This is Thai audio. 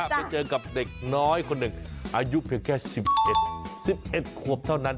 ไปเจอกับเด็กน้อยคนหนึ่งอายุเพียงแค่๑๑๑๑ขวบเท่านั้น